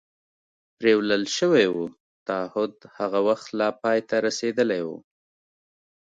پرېولل شوي و، تعهد هغه وخت لا پای ته رسېدلی و.